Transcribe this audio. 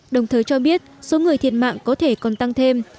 đồng thời cho biết số người thiệt mạng có thể còn tăng thêm